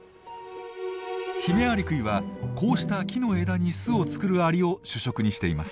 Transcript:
ヒメアリクイはこうした木の枝に巣を作るアリを主食にしています。